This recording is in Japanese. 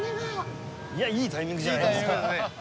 いいタイミングじゃないですか。